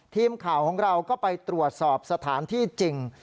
ทีมข่าวของเราก็ไปตรวจสอบสถานที่จริง